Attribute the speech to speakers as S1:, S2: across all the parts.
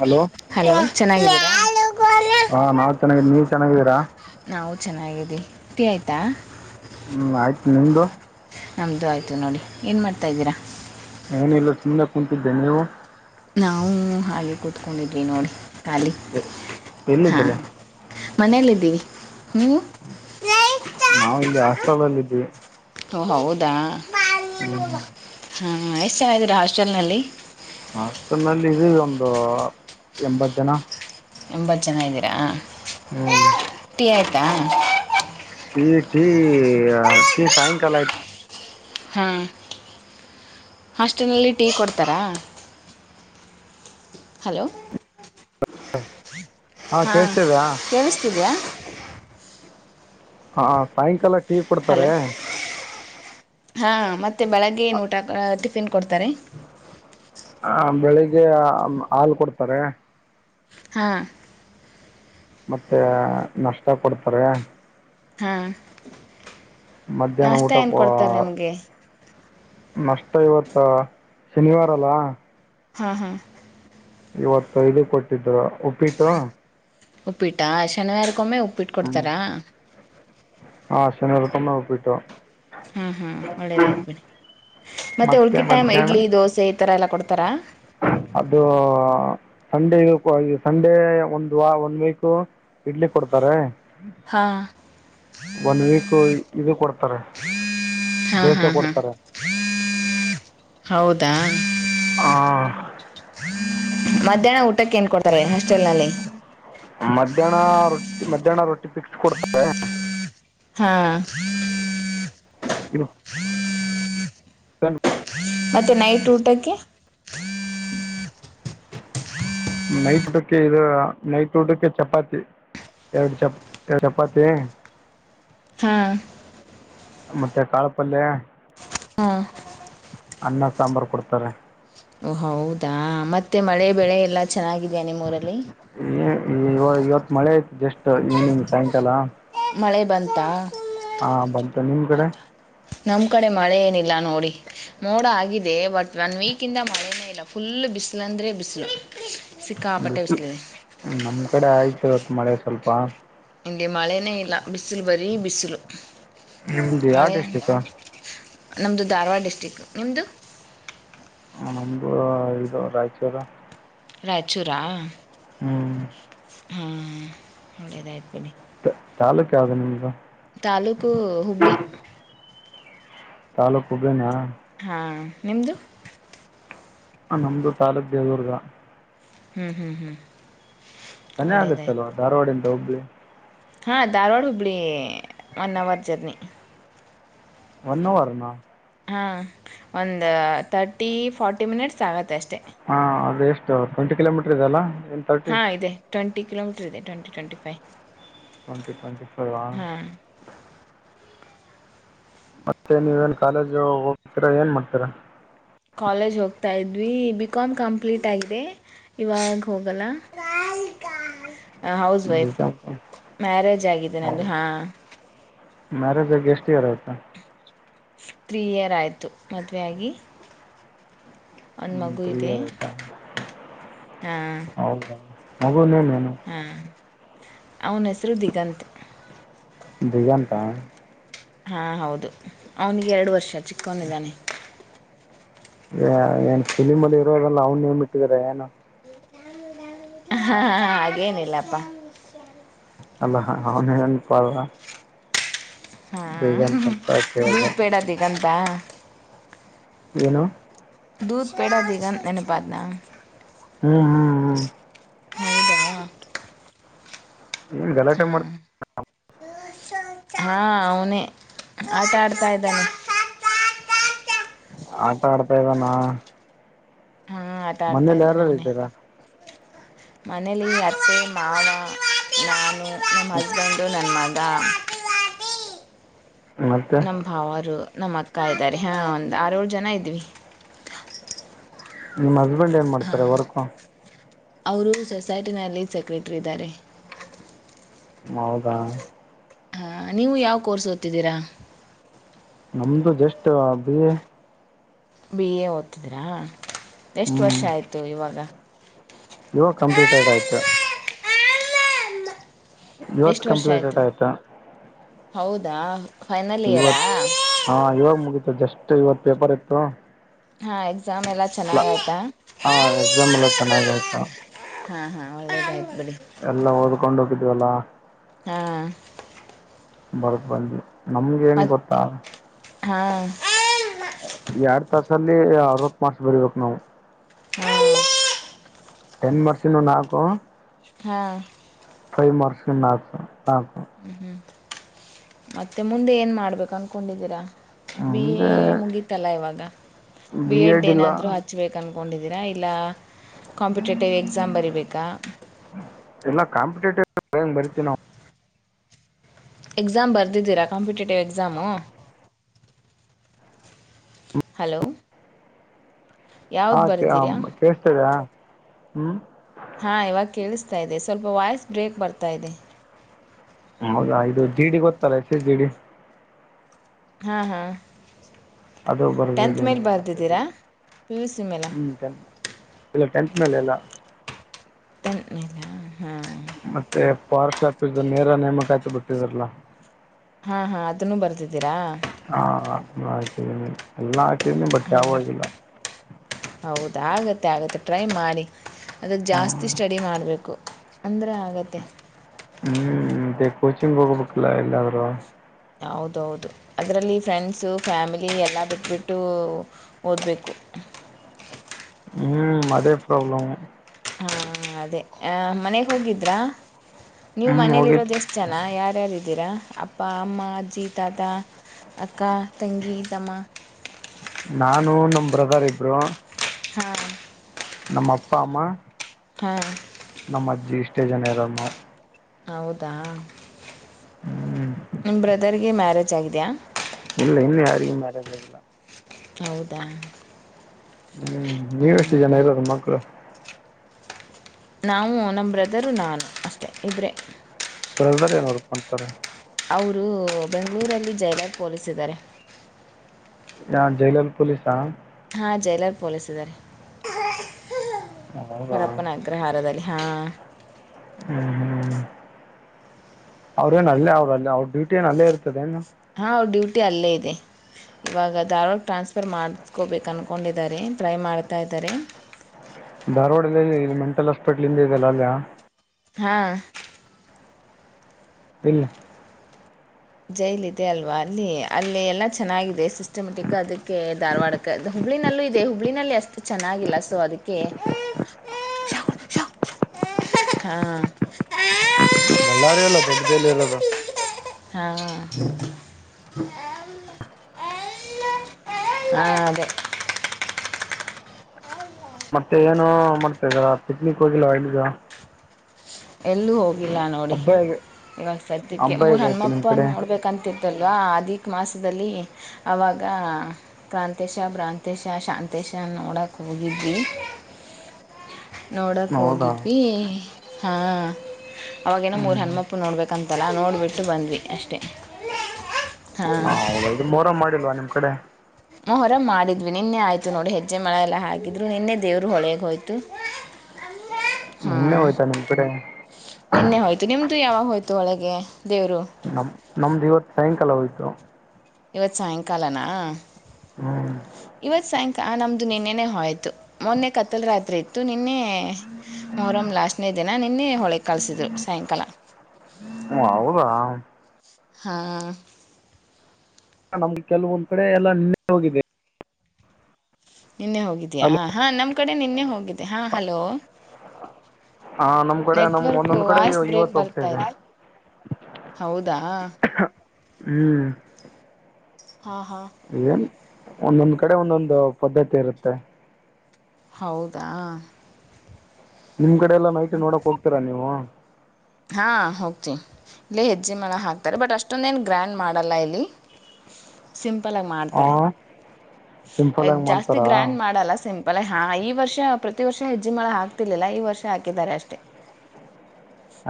S1: Hello
S2: hello ಚೆನ್ನಾಗಿದಿರಾ
S1: ಹಾ ನಾವ್ ಚನ್ನಾಗಿದ್ದೀವಿ ನೀವು ಚೆನ್ನಾಗಿದ್ದೀರಾ
S2: ನಾವು ಚೆನ್ನಾಗಿದ್ದೀವಿ ಟೀ ಆಯ್ತಾ
S1: ಹ್ಮ್ ಆಯ್ತು ನಿಮ್ದ
S2: ನಮ್ದು ಆಯ್ತು ನೋಡಿ ಏನ್ ಮಾಡ್ತಾ ಇದ್ದೀರಾ.
S1: ಏನಲ್ಲ ಸುಮ್ಮನೆ ಕುಂತಿದ್ದೇನೆ ನೀವು.
S2: ನಾವು ಹಾಗೆ ಕೂತ್ಕೊಂಡಿದ್ವಿ ನೋಡಿ ಖಾಲಿ
S1: ಎ-
S2: ಹಾ
S1: ಎಲ್ಲಿದ್ರಿ
S2: ಮನೇಲ್ಲ ಇದ್ದೀವಿ ನೀವು
S1: ನಾವ ಇಲ್ಲಿ ಹಾಸ್ಟ್ರಲ್ಲ್ಲ ಇದ್ವಿ
S2: ಒಹ್ ಹೌದಾ
S1: ಹ್ಮ್
S2: ಹಾ ಎಷ್ಟು ಜನ ಇದ್ದೀರಾ ಹಾಸ್ಟೆಲ್ನಲ್ಲಿ
S1: ಹಾಸ್ಟೆಲ್ಲ್ಲಿಒಂದ ಎಂಬತ್ ಜನ
S2: ತುಂಬ ಚನ್ನಾಗಿದ್ದೀರಾ
S1: ಹ್ಮ್
S2: ಟೀ ಆಯಿತಾ
S1: ಇಲ್ಲೇ ಟಿ ಸಾಯಂಕಾಲ ಆಯ್ತಾ
S2: ಹಾಂ ಹಾಸ್ಟೆಲ್ನಲ್ಲಿ ಟೀ ಕೊಡ್ತಾರಾ. ಹಲೋ [unintelligible] ಹಾ ಕೇಳಿಸ್ತಿದಯಾ.
S1: ಹಾ ಸಾಯಂಕಾಲ ಟಿ ಕೊಡ್ತಾರೆ
S2: ಹಲೋ ಹಾ ಮತ್ತೆ ಬೆಳಗ್ಗೆ ಏನ್ ಊಟ ಟಿಫಿನ್ ಕೊಡ್ತಾರೆ
S1: ಆ ಬೆಳಿಗ್ಗೆ ಆ ಹಾಲು ಕೊಡ್ತಾರೆ
S2: ಹಾ
S1: ಮತ್ತೆ ನಷ್ಟ ಕೊಡ್ತಾರೆ
S2: ಹಾ
S1: ಮಧ್ಯಾಹ್ನ
S2: ನಾಷ್ಟ
S1: ಊಟ
S2: ಏನ್ ಕೊಡ್ತಾರೆ ನಿಮ್ಗೆ
S1: ನಷ್ಟ ಇವತ್ತ ಶನಿವಾರಲ್ಲಾ
S2: ಹಾ ಹಾ
S1: ಇವತ್ತಐದು ಕೊಟ್ಟಿದ್ರ ಉಪ್ಪಿಟ್ಟು
S2: ಉಪ್ಪಿಟ್ಟಾ ಶನಿವಾರಕ್ಕೊಮ್ಮೆ ಉಪ್ಪಿಟ್ಟ ಕೊಡ್ತಾರಾ
S1: ಹಶನಿರತ್ತನ್ನ ನೋಪಿಟ್ಟೋ
S2: ಹಾ ಹಾ ಒಳ್ಳೇದಯ್ತ್ು ಬಿೇಡಿ ಮತ್ತೆ ಉಳ್ಕಿ ಟೈಮ್ ಇಡ್ಲಿ ದೋಸೆ ಈ ತರ ಎಲ್ಲ ಕೊಡ್ತಾರಾ
S1: ಅದು ಸಂಡೇ ಸಂಡೇ ಒಂದ್ ವ ಒಂದ ವೀಕ್ ಇಡ್ಲಿ ಕೊಡ್ತಾರೆ
S2: ಹಾ
S1: ಒನ್ ವೀಕ್ ಇದು ಕೊಡ್ತಾರೆ
S2: ಹಾ
S1: ದೋಸ
S2: ಹಾ ಹಾ
S1: ಕೊಡ್ತಾರೆ
S2: ಹೌದಾ
S1: ಆ
S2: ಮಧ್ಯಾಹ್ನ ಊಟಕ್ಕೆ ಏನ್ ಕೊಡ್ತಾರೆ ಹಾಸ್ಟೆಲ್ ನಲ್ಲಿ
S1: ಮಧ್ಯಾಹ್ನ ರೊಟ್ಟಿ ಮಧ್ಯಾಹ್ನ ರೊಟ್ಟಿ ಪಿಕ್ಸ್ ಕೊಡ್ತ
S2: ಹಾ
S1: ಇ
S2: ಮತ್ತೆ ನೈಟ್ ಊಟಕ್ಕೆ
S1: ನೈಟ್ ಊಟಕ್ಕೆ ಇದು ನೈಟ್ ಊಟಕ್ಕೆ ಚಪಾತಿ ಎರಡು ಚಪ ಎರಡು ಚಪಾತಿ
S2: ಹಾ
S1: ಮತ್ತೆ ಕಾಳಪಲ್ಯ
S2: ಹಾ
S1: ಅನ್ನ ಸಾಂಬಾರ್ು ಕೊಡ್ತಾರೆ
S2: ಓ ಹೌದಾ ಮತ್ತೆ ಮಳೆ ಬೆಳೆ ಎಲ್ಲ ಚೆನ್ನಾಗಿದೆಯಾ ನಿಮ್ಮೂಊರಲ್ಲಿ
S1: ಈ ಇವತ್ ಮಳೆ ಯತು ಜಸ್ಟ್ ಈವ್ನಿಂಗ್ ಸಾಯಂಕಾಲ
S2: ಮಳೆ ಬಂತಾ
S1: ಹಾ ಬಂತ ನಿಮ್ ಕಡೆ
S2: ನಮ್ ಕಡೆ ಮಳೆ ಏನಿಲ್ಲ ನೋಡಿ ಮೋಡ ಆಗಿದೆ ಬಟ್ ಒನ್ ವೀಕ್ ಇಂದ ಮಳೆನೇ ಇಲ್ಲ ಫುಲ್ ಬಿಸಿಲು ಅಂದ್ರೆ ಬಿಸಲು ಸಿಕ್ಕಾಪಟ್ಟೆ ಬಿಸಲಿದೆ
S1: ಹ್ಮ ನಮ್ ಕಡೆ ಆಯ್ತು ಇವತ್ತು ಮಳೆ ಸ್ವಲ್ಪ
S2: ಇಲ್ಲಿ ಮಳೆನೇ ಇಲ್ಲ ಬಿಸಿಲು ಬರೀ ಬಿಸಿಲು
S1: ನಿಮ್ಮದು ಯಾವ
S2: ಮಳೆ
S1: ಡಿಸ್ಟಿಕ್
S2: ನಮ್ದು ಧಾರವಾಡ ಡಿಸ್ಟ್ರಿಕ್ ನಿಮ್ದು
S1: ನಮ್ದು ಇದು ರಾಯಚೂರು
S2: ರಾಯಚೂರಾ
S1: ಹ್ಮ್
S2: ಹಾ ಒಳ್ಳೇದಾಯ್ತು ಬನ್ನಿ
S1: ತಾಾಲೂಕ ಅದು ನಿಮ್್ದ
S2: ತಾಲೂಕು ಹುಬ್ಳ್ಳಿ
S1: ತಾಾಲೂಕುಬನಾ
S2: ಹಾಂ ನಿಮದು
S1: ನಮ್ದು ತಾಲೂಕ್ ದೇವದುರ್ಗ.
S2: ಹ್ಮ್ ಹ್ಮ್ ಹ್ಮ್
S1: ಸನೆ ಆಗುತ್ತಲ್ವಾ ಧಾರವಾಡಿಂದ ಹುಬ್ಬಳ್ಳಿ.
S2: ಹಾಂ Dharwad Hubballi one hour journey
S1: one hour ನಾ.
S2: ಹಾಂ ಒಂದು ತರ್ಟಿ ಫಾರ್ಟಿ ಮಿನಿಟ್ಸ್ ಆಗುತ್ತೆ ಅಷ್ಟೇ.
S1: ಹಾ ಅದು ಎಷ್ಟು ಟ್ವೆಂಟಿ ಕಿಲೋಮೀಟರ್ ಇದೆ ಅಲ್ಲ.
S2: ಹಾ ಇದೇ ಟೆಂಟಿ ಕಿಲೋಮೀಟರ್ ಇದೆ twenty twenty five.
S1: Twenty twenty five.
S2: ಹಾಂ
S1: ಮತ್ತೆ ನೀವೇನ್ ಕಾಲೇಜ್ ಹೋಗ್ತೀರಾ ಏನ್ ಮಾಡ್ತೀರಾ.
S2: ಕಾಲೇಜ್ ಹೋಗ್ತಾ ಇದ್ವಿ ಬಿ ಕಾಮ್ ಕಂಪ್ಲೀಟ್ ಆಗಿದೆ. ಇವಾಗ ಹೋಗಲ್ಲ. House
S1: B
S2: wife
S1: com
S2: marriage ಆಗಿದೆ ನಂದು
S1: ಹೌದು
S2: ಹಾ.
S1: ಮ್ಯಾರೇಜ್ ಆಗಿ ಎಸ್ಟ್ ಇಯರ್ ಆಯ್ತು.
S2: ತ್ರೀ ಇಯರ್ ಆಯಿತು ಮದುವೆಯಾಗಿ. ಒಂದು
S1: ಹ್ಮ್
S2: ಮಗು
S1: ತ್ರಿ
S2: ಇದೆ
S1: ಇಯರ್ ಆಯ್ತಾ
S2: ಹಾಂ
S1: ಹೌದ ಮಗು ನೇಮ್ ಏನು.
S2: ಹಾಂ ಅವನ ಹೆಸರು ದಿಗಂತ.
S1: ದಿಗಂತಾ.
S2: ಹಾ ಹೌದು ಅವನಿಗೆ ಎರಡು ವರ್ಷ ಚಿಕ್ಕವನು ಇದಾನೆ.
S1: ಏನ್ ಫಿಲಿಮ ಅಲ್ಲಿ ಇರೋರೆಲ್ಲ ಅವ್ನು ನೇಮ್ ಇಟ್ಟಿದೀರ ಏನು
S2: ಹಾ ಹ ಹಾಗೇನಿಲ್ಲಪ್ಪಾ.
S1: ಅಲ್ಲ ಅವನೇ ನೆನಪು ಆದಾ.
S2: ಹ್ಮ್
S1: ಅಂತ
S2: ಹೂ
S1: ಕೇಳಿದೆ
S2: ದೂದಪೇಡ ದಿಗಂತ್.
S1: ಏನು
S2: ದೂದಪೇಡ ದಿಗಂತ ನೆನಪಾದನಾ.
S1: ಹ್ಮ ಹ್ಮ
S2: ಹೌದಾ.
S1: ಏನು ಗಲಾಟೆ
S2: ಹಾ
S1: ಮಾಡ್ತ
S2: ಹಾ ಅವನೇ ಆಟ ಆಡ್ತಾ ಇದ್ದಾನೆ.
S1: ಆಟ ಆಡ್ತಾ ಇದ್ದಾನಾ.
S2: ಹಾ ಆ
S1: ಮನೇಲಿ ಯಾರಾರು ಇದ್ದೀರಾ.
S2: ಮನೇಲಿ ಅತ್ತೆ ಮಾವ ನಾನು ನಮ್ಮ ಹಸ್ಬೆಂಡು ನನ್ನ ಮಗ.
S1: ಮತ್ತೆ
S2: ನಮ ಭಾವಾರು ನಮ್ಮ್ ಅಕ್ಕ ಇದ್ದಾರೆ ಹಾ ಒಂದ್ ಆರು ಏಳು ಜನ ಇದ್ವಿ.
S1: ನಿಮ್ಮ ಹಸ್ಬೆಂಡ್ ಏನ್ ಮಾಡ್ತಾರೆ ವರ್ಕ್.
S2: ಅವರು ಸೊಸೈಟಿನಲ್ಲಿ ಸೆಕ್ರೆಟರಿ ಇದ್ದಾರೆ.
S1: ಹೌದಾ.
S2: ಹ ನೀವು ಯಾವ ಕೋರ್ಸ್ ಓದ್ತಿದ್ದೀರಾ.
S1: ನಮದುು just a B A.
S2: B A ಓದ್ತಿದ್ರಾ ಎಷ್ಟು
S1: ಹ್ಞೂ
S2: ವರ್ಷ ಆಯಿತು ಇವಾಗ.
S1: ಇವಾಗ ಕಂಪ್ಲೀಟ್ಟೆಡ್ ಆಯಿತು. ಇವತ್ತು
S2: ಎಷ್ಟು ವರ್ಷ ಆಯ್ತು
S1: ಕಂಪ್ಲೀಟೆಡ್ ಆಯಿತಾ
S2: ಹೌದಾ ಫೈನಲ್ ಇಯರಾ?
S1: ಇವತ್ತು ಹಾ ಇವಾಗ ಮುಗೀತ ಜಸ್ಟ್ ಇವತ್ತು ಪೇಪರ್ ಇತ್ತು.
S2: ಹಾಂ ಎಕ್ಸಾಮ್ ಎಲ್ಲ
S1: ಇಲ್ಲ
S2: ಚೆನ್ನಾಗ ಆಯತಾ?
S1: ಹಾ ಎಕ್ಸಾಮ್ ಎಲ್ಲಾ ಚೆನ್ನಾಗ ಆಯ್ತು.
S2: ಹಾ ಹಾ ಒಳ್ಳೆಯದು ಆಯ್ತ್ ಬಿಡಿ.
S1: ಎಲ್ಲ ಓದ್ಕೊಂಡು ಹೋಗಿದ್ವಲ್ಲ
S2: ಹಾ
S1: ಬರ್ದ ಬಂದಿ ನಮ್ಗೆ ಹೆಂಗ ಗೊತ್ತಾ
S2: ಹಾ
S1: ಎರಡ್ ತಾಸಲ್ಲಿ ಅರವತ್ತು ಮಾಸ ಬರಬೇಕು ನಾವು
S2: ಹ್ಮದು
S1: ಟೆನ್ ಮರ್ಸಿನ ನಾಲ್ಕು
S2: ಹಾ
S1: ೈ ವರ್ಷ ನಾಚ ನಾ
S2: ಹ್ಮ್ ಹ್ಮ್ ಮತ್ತೆ ಮುಂದೆ ಏನ್ ಮಾಡ್ಬೇಕು ಅನ್ಕೊಂಡಿದ್ದೀರಾ ಬಿ
S1: ಮುಂದೆ
S2: ಎ ಮುಗಿತಲ್ಲ ಇವಾಗ ಬಿ ಎಡ್ ಏನಾದ್ೂ ಹತ್ತು ಹಚ್ಬೇಕು ಅಂದ್ಕೊಂಡಿದ್ದೀರಾ ಇಲ್ಲ ಕಾಂಪಿಟೇಟಿವ್ ಎಕ್ಸಾಮ್ ಬರಿೀಬೇಕಾ
S1: ಎಲ್ಲ ಕಾಂಪಿಟೇಟಿವ್್ ಬರಿತೀ ನಾವು
S2: ಎಕ್ಸಾಮ್ ಬರೆದಿದ್ದೀರಾಂಿಟೇಟಿವ್ಕ್ಸಾಮು ಹಲೋ
S1: ಹಾ
S2: ಯಾವ್ದು ಬರೆದಿರಾ
S1: ಕೇೇಳಸ್ತದೆ ಹ್ಮ
S2: ಹಾಂ ಇವಾಗ ಕೇಳಿಸ್ತಾ ಇದೆ ಸ್ವಲ್ಪ ವಾಯ್ಸ್ ಬ್ರೇಕ್ ಬರ್ತಾ ಇದೆ
S1: ಹೌದಾ ಇದು ಜಿಡಿ ಗೊತ್ತಲ್ಲ ಎಸ ಜಿಡಿ
S2: ಹಾ ಹಾ
S1: ಅದು
S2: ಟೆಂತ್
S1: ಬರೆದಿದ್ದೀನಿ
S2: ಮೇಲೆ
S1: ಮತ್ತುೆ ಬಿ
S2: ಬರ್ದಿದ್ದೀರಾ ಪಿ ಯು ಸಿ ಮೇಲಾ
S1: ಹಞ ಇಲ್ಲ ಟೆಂತ್ ಮೇಲೆ ಎಲ್ಲ
S2: ಮೇಲೆ ಹ್ಮ್
S1: ಮತ್ತೆ ಫಾರೆಸ್ಟ್ ಆಫೀಸ್ ನೇರ ನೇಮಕ ಆ್ತು ಬಿಟ್ಟಿದಾರಲ್ಲ
S2: ಹಾ ಹಾ ಅದನ್ನು ಬರ್ದಿದ್ದೀರಾ
S1: ಹಾ ಅದ ಹಾಕಿದೀನಿ ಎಲ್ಲಾ ಹಾಕಿದೀನಿ ಬಟ್ ಯಾವ ಆಗಿಲ್ಲ
S2: ಹೌದ ಆಗತ್ತೆ ಆಗತ್ತೆ ಟ್ರೈ ಮಾಡಿ ಅದ ಜಾಸ್ತಿ
S1: ಹ್ಮ್
S2: ಸ್ಟಡಿ ಮಾಡ್ಬೇಕು ಅಂದ್ರೆ ಅಗತ್ತೆ
S1: ಹ್ಮ್ ಮತ್ತೆ ಕೋಚಿಂಗ್ ಹೋಗ್ಬೇಕಲ್ಲ ಎಲ್ಲಾದ್ೂ
S2: ಹೌದೌದು ಅದರಲ್ಲಿ ಫ್ರೆಂಡ್ಸು ಫ್ಯಾಮಿಲಿ ಎಲ್ಲ ಬಿಟ್ಬಿಟ್ಟು ಓದ್ಬೇಕು
S1: ಹ್ಮ್ ಅದೇ ಪ್ರಾಬ್ಲಮ್
S2: ಹಾ ಅದೇ ಮನೆಗೆ ಹೋಗಿದ್ರಾ ನೀವು
S1: ಹ್ಮ್ ಹೋಗಿದ್
S2: ಮನೇಲಿರೋದ ಎಷ್ಟ ಚನ ಯಾರ್ಯಾರಿದ್ದೀರಾ ಅಪ್ಪ ಅಮ್ಮ ಅಜ್ಜಿ ತಾತಾ ಅಕ್ಕ ತಂಗಿ ತಮ್ಮಾಕ
S1: ನಾನು ನಮ ಬ್ರದರ್ ಇಬ್ರು
S2: ಹಾ
S1: ನಮ್ಮ ಅಪ್ಪಾ ಅಮ್ಮ
S2: ಹಾ
S1: ನಮ್ಮ ಅಜ್ಜಿ ಇಷ್ಟೇ ಜನ ಇರೋದು ನಾವು
S2: ಹೌದಾ
S1: ಹ್ಮ್
S2: ನಿಮ ಬ್ರದರ್ಗೆ ಮ್ಯಾರೇಜ್ ಆಗಿದ್ಯಾ
S1: ಇಲ್ಲ ಇನ್ನು ಯಾರಿಗ ಮ್ಯಾರೇಜ್ ಆಗಿಲ್ಲ
S2: ಹೌದಾ
S1: ಹ್ಞೂ ನೀವೆ ಎಷ್ಟು
S2: ಹ್ಮ್.
S1: ಜನ ಇರೋದು ಮಕ್ಕಳು
S2: ನಾವು ನಮ್ಮ ಬ್ರದರು ನಾನು ಅಷ್ಟೇ ಇಬರೆ
S1: [unintelligible]
S2: ಅವರು ಬೆಂಗಳೂರಲ್ಲಿ ಜೈಲರ್ ಪೊಲೀಸ್ ಇದ್ದಾರೆ.
S1: ಹಾ ಜೈಲಲ್ ಪೊಲೀಸಾ?
S2: ಹಾ ಜೈಲಲ್ ಪೋಲೀಸ್ ಇದ್ದಾರೀ
S1: ಹೌದಾ
S2: ಪರಪ್ಪನ ಅಗ್ರ ಅಗ್ರಹಾರದಲೀ ಹಾ
S1: ಹ್ಮ್ ಹ್ಮ್ ಅವ್ರೇನು ಅಲ್ಲೇ ಅವ್ರಲ್ಲೇ ಅವ್ರ ಡ್ಯೂಟಿನು ಅಲ್ಲೇ ಇರ್ತದೇನು?
S2: ಹಾ ಅವ್ರ ಡ್ಯೂಟಿ ಅಲ್ಲೇ ಇದೆ. ಇವಾಗ ಧಾರವಾಡಗ್ ಟ್ರಾನ್ಸ್ ಫರ್ ಮಾಡ್ಸ್ಕೊಬೇಕು ಅನ್ಕೊಂಡ್ ಇದ್ದಾರೆ ಟ್ರೈ ಮಾಡ್ತಾ ಇದಾರೆ.
S1: ಧಾರವಾಡಲ್ಲಿ ಮೆಂಟಲ್ ಹಾಸ್ಪಿಟಲ್ ಹಿಂದೆ ಇದೆಲ್ಲ ಅಲ್ಲಾ?
S2: ಹಾ.
S1: [unintelligible]
S2: ಜೈಲ್ ಇದೆ ಅಲ್ವಾ ಅಲ್ಲಿ ಅಲ್ಲಿ ಎಲ್ಲ ಚೆನ್ನಾಗಿದೆ ಸಿಸ್ಟಮೆಟಿಕ್ ಅದಕ್ಕೆ ಧಾರವಾಡಕ್ಕೆ ಹುಬ್ಳಿನಲ್ಲೂ ಇದೆ ಹುಬ್ಬಳಿನಲ್ಲಿ ಅಷ್ಟು ಚೆನ್ನಾಗಿಲ್ಲ ಸೊ ಅದಕ್ಕೆ ಹಾ
S1: ಬಳ್ಳಾರಿಯಲ್ಲಿ ದೊಡ್ಡ್ ಜೈಲ್ ಇರೋದು.
S2: ಹಾ ಹ ಅದೇ
S1: ಮತ್ತೆ ಏನು ಮಾಡ್ತಾ ಇದರಾ ಪಿಕ್ನಿಕ್ ಹೋಗಿಲ್ವ ಎಲ್ಲಿಗು?
S2: ಎಲ್ಲೂ ಹೋಗಿಲ್ಲ ನೋಡಿ
S1: ಹಬ್ಬ ಹೇಗೆ
S2: ಇವಾಗ ಸದ್ಯಕ್ಕೆ
S1: ಹಬ್ಬ
S2: ಮೂರು
S1: ಹೇಗಾಯ್ತು ನಿಮ್ಮ
S2: ಹನ್ಮಪ್ಪನ್
S1: ಕಡೆ
S2: ನೋಡ್ಬೇಕಂತಿ ತ್ತಲ್ವಾ ಆದಿಕ್ ಮಾಸದಲ್ಲಿ ಅವಾಗ ಕ್ರಾಂತೇಶ, ಭ್ರಾಂತೇಶ, ಶಾಂತೇಶ ನೋಡಕ್ ಹೋಗಿದ್ವಿ.
S1: ಹ
S2: ನೋಡಕ್ ಹೋಗಿದ್ವಿ ಹಾ ಅವಾಗೇನೋ ಮೂರ್
S1: ಹ್ಮ್
S2: ಹನ್ಮಪ್ಪುನ್ ನೋಡ್ಬೇಕಂ ತಲ್ಲ ನೋಡಿಬಿಟ್ಟು ಬಂದ್ವಿ ಅಷ್ಟೇ. ಹಾ
S1: ಹ ಇದು ಮೋರಂ ಮಾಡಿಲ್ವಾ ನಿಮ್ ಕಡೆ?
S2: ಮೊಹರಂ ಮಾಡಿದ್ವಿ, ನಿನ್ನೆ ಆಯ್ತು ನೋಡಿ ಹೆಜ್ಜೆ ಮಳೆ ಎಲ್ಲ ಹಾಕಿದ್ರು ನಿನ್ನೆ ದೇವ್ರು ಹೊಳೇಗೆ ಹೋಯ್ತು.
S1: ನಿನ್ನೆ
S2: ಹ್ಮ್
S1: ಹೋಯ್ತಾ ನಿಮ್ಮ ಕಡೆ
S2: ನಿನ್ನೆ ಹೋಯ್ತು ನಿಮ್ದು ಯಾವಾಗ ಹೋಯ್ತು ಒಳಗೆ ದೇವ್ರು.
S1: ನಮ್ ನಮ್ದ್ ಇವತ್ತು ಸಾಯಂಕಾಲ ಹೋಯ್ತು.
S2: ಇವತ್ತ್ ಸಾಯಂಕಾಲನಾ?
S1: ಹ್ಮ್
S2: ಇವತ್ತು ಸಾಯಂಕಾ ನಮ್ಮದು ನಿನ್ನೆನ ಹೋಯ್ತು ಮೊನ್ನೆ ಕತ್ತಲ ರಾತ್ರಿ ಇತ್ತು ನಿನ್ನೆ ಮೊಹ್ರಂ ಲಾಸ್ಟ್ನೇ ದಿನ ನಿನ್ನೆ ಹೊಳೆಗ್ ಕಳಸಿದ್ರು ಸಾಯಂಕಾಲ.
S1: ಓ ಹೌದಾ?
S2: ಹಾಂ
S1: ನಮ್ಗೆ ಕೆಲವೊಂದ್ ಕಡೆ ಎಲ್ಲ ನಿನ್ನೆ ಹೋಗಿದೆ.
S2: ನಿನ್ನೆ ಹೋಗಿದ್ದೀಯಾ
S1: ಅಲ್ವಾ
S2: ಹಾ ನಮ್ಮ್ ಕಡೆ ನಿನ್ನೆ ಹೋಗಿದ್ದೆ ಹಾ ಹಲೋ.
S1: ಹಾ ನಮ್ ಕಡೆ ನಮ್
S2: ನೆಟ್ವರ್ಕು
S1: ಒಂದೊಂದ್ ಕಡೆ
S2: ವಾಯ್ಸ್
S1: ಇವ-
S2: ಬ್ರೇಕ್
S1: ಇವತ್ತು ಹೋಗ್ತಾ
S2: ಬರ್ತಾ ಇದೆ. ಹೌದಾ?
S1: ಹ್ಮ್
S2: ಹಾ ಹಾ
S1: ಏನ್ ಒಂದೊಂದ್ ಕಡೆ ಒಂದೊಂದು ಪದ್ಧತಿ ಇರುತ್ತೆ.
S2: ಹೌದಾ?
S1: ನಿಮ್ ಕಡೆ ಎಲ್ಲ ನೈಟ್ ನೋಡಕ್ ಹೋಗ್ತೀರ ನೀವು?
S2: ಹಾ ಹೋಗ್ತಿನೀ ಇಲ್ಲ ಹೆಜ್ಜೆ ಮಳ ಹಾಕ್ತಾರೆ ಬಟ್ ಅಷ್ಟೊಂದ್ ಏನು ಗ್ರ್ಯಾಂಡ್ ಮಾಡಲ್ಲ ಇಲ್ಲಿ.
S1: [unintelligible]
S2: ಸಿಂಪಲ್ ಆಗಿ
S1: ಆ
S2: ಮಾಡ್ತಾರೆ
S1: ಸಿಂಪಲ್ ಆಗಿ
S2: ಜಾಸ್ತಿ
S1: ಮಾಡ್ತಾರಾ
S2: ಗ್ರ್ಯಾಂಡ್ ಮಾಡಲ್ಲ ಸಿಂ ಬಲ್ಲ ಹಾ ಈ ವರ್ಷ ಪ್ರತಿ ವರ್ಷ ಹೆಜ್ಜೆ ಮಳ ಹಾಕ್ತಿರ್ಲಿಲ್ಲ ಈ ವರ್ಷ ಹಾಕಿದ್ದಾರೆ ಅಷ್ಟೇ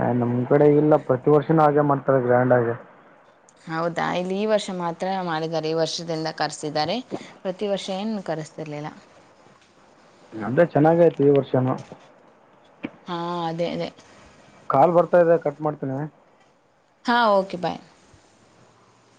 S1: ಆ್ ನಮ್ ಕಡೆ ಈ ಇಲ್ಲ ಪ್ರತಿ ವರ್ಷನೂ ಹಾಗೆ ಮಾಡ್ತಾರೆ ಗ್ರ್ಯಾಂಡ್ ಹಾಗೆ
S2: ಹೌದಾ ಇಲ್ಲಿ ಈ ವರ್ಷ ಮಾತ್ರ ಮಾಡಿದ್ದಾರೆ ಈ ವರ್ಷದಿಂದ ಕರೆಸಿದ್ದಾರೆ ಪ್ರತಿ ವರ್ಷ ಏನ್ ಕರೆಸ್ತಿರ್ಲಿಲ್ಲ
S1: ಅದ್ರೆ ಚೆನ್ನಾಗಯ್ತ್ ಈ ವರ್ಷನ
S2: ಹಾ ಅದೇ ಅದೇ
S1: ಕಾಲ್ ಬರ್ತಾ ಇದೆ ಕಟ್ ಮಾಡ್ತೀನಿ
S2: ಹಾಂ ಓಕೆ ಬಾಯ್